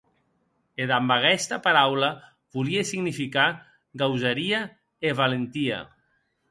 E damb aguesta paraula volie significar gausaria e valentia.